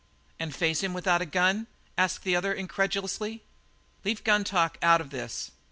"And face him without a gun?" asked the other incredulously. "Leave gun talk out of this.